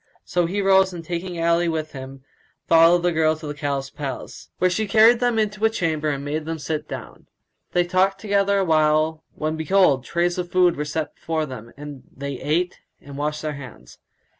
So he rose and, taking Ali with him, followed the girl to the Caliph's palace, where she carried them into a chamber and made them sit down. They talked together awhile, when behold, trays of food were set before them, and they ate and washed their hands.